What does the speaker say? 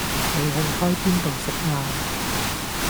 你去開邊度食晏